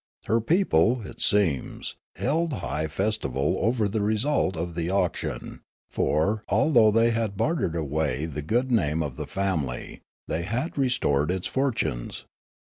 Her people, it seems, held high festival over the result of the auction ; for, although they had bartered away the good name of the family, they had restored its for tunes.